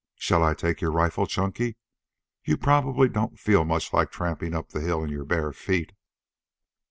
Shall I take your rifle, Chunky? You probably don't feel much like tramping up the hill in your bare feet."